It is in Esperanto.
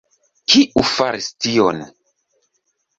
Kiu faris tion?